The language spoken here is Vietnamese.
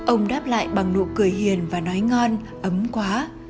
ông đáp lại bằng nụ cười hiền và nói ngon ấm quá